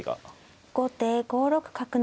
後手５六角成。